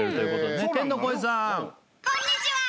こんにちはー！